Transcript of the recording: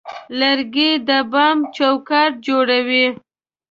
لرګی د بام چوکاټ جوړوي.